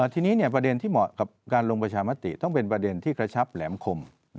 ทีนี้ประเด็นที่เหมาะกับการลงประชามติต้องเป็นประเด็นที่กระชับแหลมคม